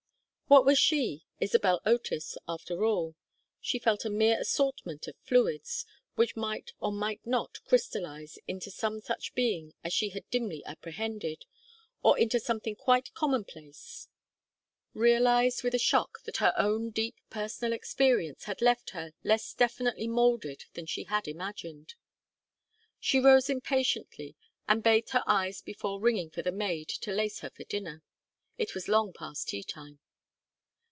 What was she, Isabel Otis, after all? She felt a mere assortment of fluids, which might or might not crystallize into some such being as she had dimly apprehended, or into something quite commonplace; realized with a shock that her own deep personal experience had left her less definitely moulded than she had imagined. She rose impatiently and bathed her eyes before ringing for the maid to lace her for dinner it was long past tea time.